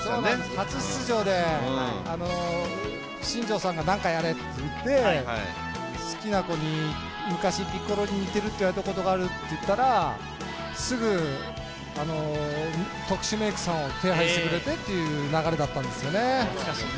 初出場で、新庄さんがなんかやれって言って、好きな子に、昔ピッコロに似てることがあるって言われたらすぐ特殊メークさんを手配してくれたという流れだったんですよね。